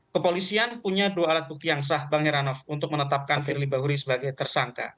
kepolisian punya dua alat bukti yang sah bang heranov untuk menetapkan firly bahuri sebagai tersangka